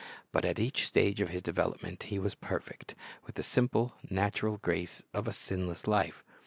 But at each stage of His development He was perfect, with the simple, natural grace of a sinless life.